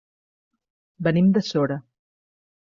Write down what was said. Venim de Sora.